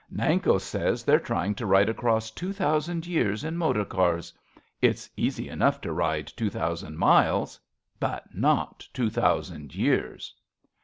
Nanko says They're trying to ride across two thousand years In motor cars. It's easy enough to ride Two thousand miles ; but not two thousand years.